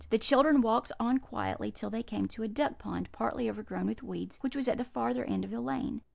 "The children walked on quietly till they came to a duck pond, partly overgrown with weeds, which was at the farther end of the lane.